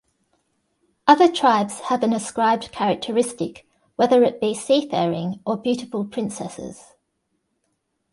Other tribes have an ascribed characteristic, whether it be seafaring or beautiful princesses.